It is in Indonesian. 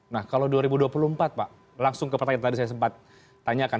nah kalau dua ribu dua puluh empat pak langsung ke pertanyaan tadi saya sempat tanyakan